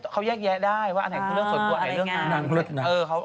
เขาแยกแยะได้ว่าอันไหนคือเรื่องส่วนตัวไหนเรื่องงาน